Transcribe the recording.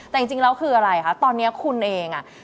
แต่จริงแล้วคืออะไรคะตอนนี้คุณเองอ่ะ